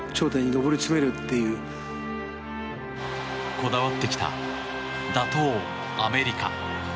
こだわってきた打倒、アメリカ。